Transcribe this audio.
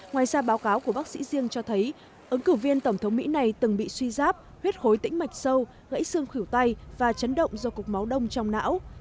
ngoài ra báo cáo của bác sĩ riêng cho thấy ứng cử viên tổng thống mỹ này từng bị suy giáp huyết khối tĩnh mạch sâu gãy xương khỉu tay và chấn động do cục máu đông trong não